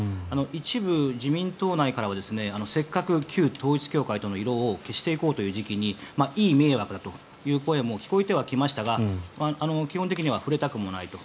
一部、自民党内からはせっかく旧統一教会の色を消していこうという時期にいい迷惑だという声も聞こえては来ましたが基本的には触れたくもないと。